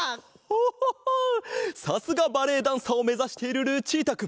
さすがバレエダンサーをめざしているルチータくん。